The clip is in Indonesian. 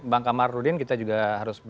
bang kamar rudin kita juga berhenti